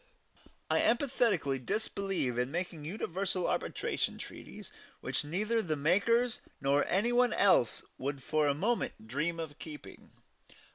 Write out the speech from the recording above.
I emphatically disbelieve in making universal arbitration treaties which neither the makers nor any one else would for a moment dream of keeping.